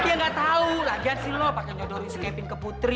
dia gak tau lagi lagi lo pake jodoh reskepin ke putri